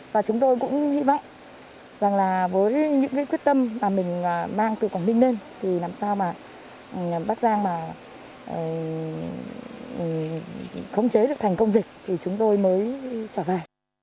vì không chế được thành công dịch thì chúng tôi mới trở về